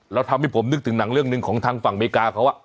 แล้วทำให้ผมนึกถึงหนังเรื่องหนึ่งของทางฝั่งอเมริกาเขา